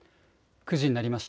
９時になりました。